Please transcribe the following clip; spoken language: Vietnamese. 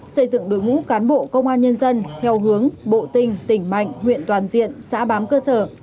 xây dựng đối ngũ cán bộ công an nhân dân theo hướng bộ tinh tỉnh mạnh huyện toàn diện xã bám cơ sở